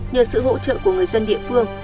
nhờ sự hỗ trợ của người dân địa phương